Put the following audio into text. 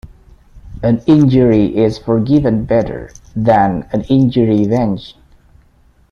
An injury is forgiven better than an injury revenged.